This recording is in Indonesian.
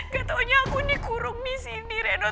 gak taunya aku dikurung disini reno